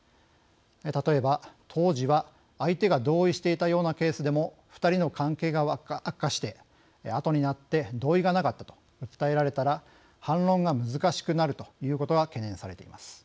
例えば、当時は相手が同意していたようなケースでも２人の関係が悪化してあとになって同意がなかったと訴えられたら反論が難しくなるということが懸念されています。